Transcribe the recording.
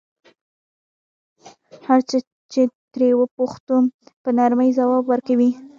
هر څه چې ترې وپوښتو په نرمۍ ځواب ورکوي.